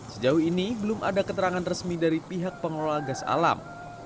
sejauh ini belum ada keterangan resmi dari pihak pengelola gas alam